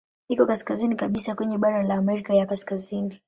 Iko kaskazini kabisa kwenye bara la Amerika ya Kaskazini.